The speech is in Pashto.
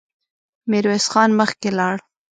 ميرويس خان مخکې لاړ.